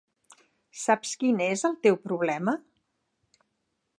Saps quin és el teu problema?